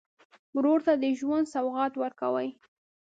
ورور ته د ژوند سوغات ورکوې.